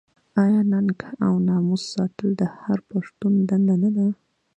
آیا ننګ او ناموس ساتل د هر پښتون دنده نه ده؟